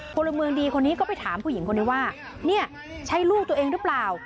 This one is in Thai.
พลเมืองดีคนนี้ก็ไปถามผู้หญิงคนนี้ว่าเนี่ยใช่ลูกตัวเองหรือเปล่า